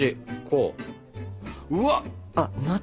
うわっ！